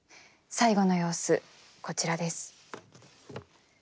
最期の様子こちらです。